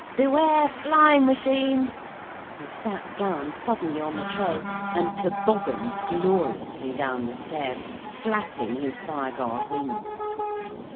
Beware Flying Machines!' he sat down suddenly on the tray, and tobogganed gloriously down the stairs, flapping his fire guard wings.